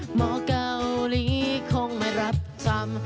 หมอกาโอลีคงไม่รับธรรม